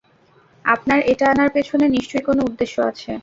আপনার এটা আনার পেছনে নিশ্চয়ই কোন উদ্দেশ্য আছে?